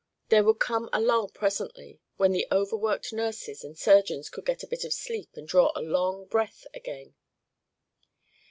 There would come a lull presently, when the overworked nurses and surgeons could get a bit of sleep and draw a long breath again.